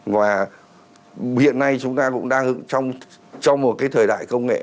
và hiện nay chúng ta cũng đang trong một cái thời đại công nghệ